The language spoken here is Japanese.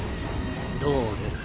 どう出る？